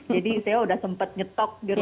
jadi saya sudah sempat nyetok di rumah